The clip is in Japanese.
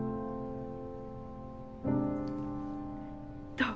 どう？